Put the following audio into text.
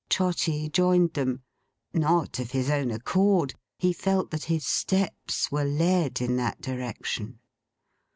Trotty joined them. Not of his own accord. He felt that his steps were led in that direction.